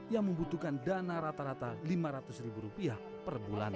yang membutuhkan dana rata rata rp lima ratus per bulan